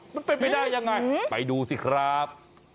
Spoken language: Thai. มันเป็นไปได้ยังไงไปดูสิครับ